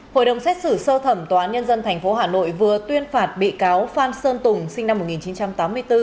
hội đồng xét xử sơ thẩm tòa án nhân dân tp hà nội vừa tuyên phạt bị cáo phan sơn tùng sinh năm một nghìn chín trăm tám mươi bốn